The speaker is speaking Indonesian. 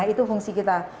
itu fungsi kita